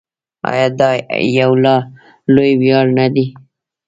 آیا دا یو لوی ویاړ نه دی؟